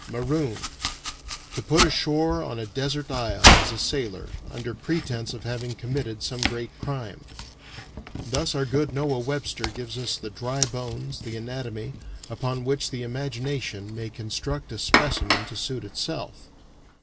"Maroon to put ashore on a desert isle, as a sailor, under pretense of having committed some great crime." Thus our good Noah Webster gives us the dry bones, the anatomy, upon which the imagination may construct a specimen to suit itself.